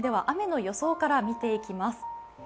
雨の予想から見ていきます。